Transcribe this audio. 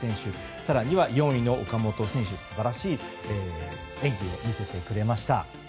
更に４位の岡本選手素晴らしい演技を見せてくれました。